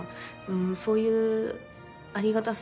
そういうありがたさ。